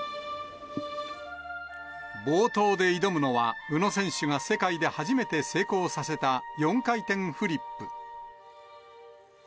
冒頭で挑むのは、宇野選手が世界で初めて成功させた４回転フリップ。